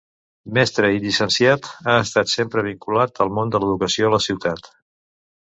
Mestre i llicenciat, ha estat sempre vinculat al món de l'educació a la ciutat.